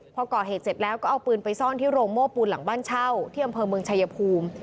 พอก่อเหตุเสร็จแล้วก็เอาปืนไปซ่อนที่โรงโม่ปูนหลังบ้านเช่าที่อำเภอเมืองชายภูมิ